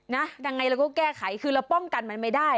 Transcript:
ยังไงเราก็แก้ไขคือเราป้องกันมันไม่ได้